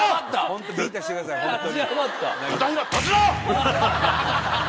ホントビンタしてくださいホントに。